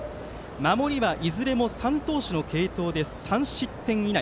守りはいずれも３投手の継投で３失点以内。